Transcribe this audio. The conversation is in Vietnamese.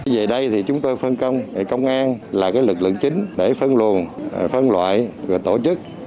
về đây thì chúng tôi phân công công an là lực lượng chính để phân luồn phân loại và tổ chức